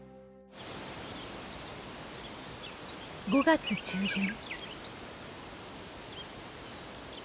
５月中旬。